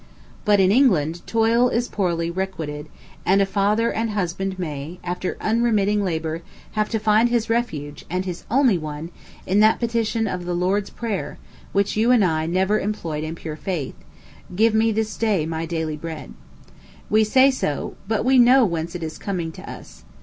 But in England, toil is poorly requited; and a father and husband may, after unremitting labor, have to find his refuge, and his only one, in that petition of the Lord's Prayer, which you and I never employed in pure faith, "Give me this day my daily bread." We say so; but _we know whence it is coming to us.